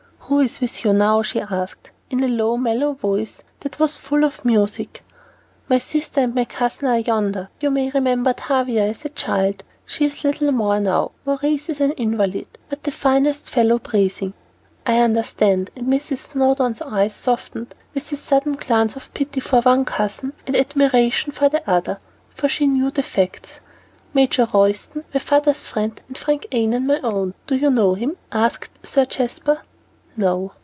"Who is with you now?" she asked, in a low, mellow voice that was full of music. "My sister and my cousin are yonder. You may remember Tavia as a child, she is little more now. Maurice is an invalid, but the finest fellow breathing." "I understand," and Mrs. Snowdon's eyes softened with a sudden glance of pity for one cousin and admiration for the other, for she knew the facts. "Major Royston, my father's friend, and Frank Annon, my own. Do you know him?" asked Sir Jasper. "No."